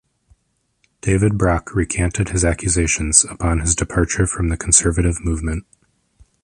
David Brock recanted his accusations upon his departure from the conservative movement.